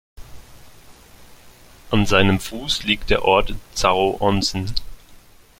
An seinem Fuß liegt der Ort Zaō-Onsen.